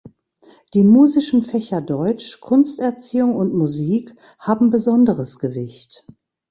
Die musischen Fächer Deutsch, Kunsterziehung und Musik haben besonderes Gewicht.